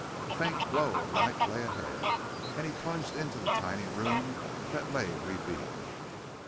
A faint glow of light lay ahead, and he plunged into the tiny room that lay revealed.